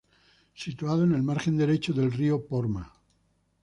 Situado en el margen derecho del río Porma.